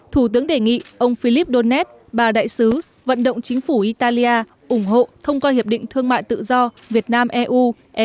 thủ tướng đề nghị ông philip donet bà đại sứ vận động chính phủ italia ủng hộ thông qua hiệp định thương mại tự do việt nam eu